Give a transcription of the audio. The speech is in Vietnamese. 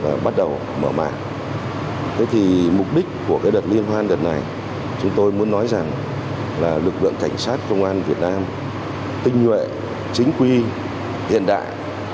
với đợt liên hoan đợt này chúng tôi muốn nói rằng là lực lượng cảnh sát công an việt nam tinh nhuệ chính quy hiện đại